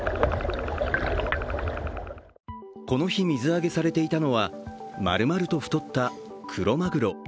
この日、水揚げされていたのは丸々と太ったクロマグロ。